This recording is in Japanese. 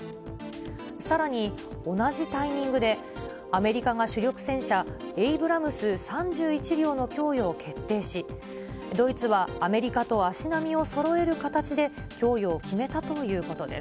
さらに同じタイミングで、アメリカが主力戦車、エイブラムス３１両の供与を決定し、ドイツはアメリカと足並みをそろえる形で供与を決めたということです。